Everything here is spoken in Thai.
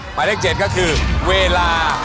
หมายเลข๗ก็คือเวลา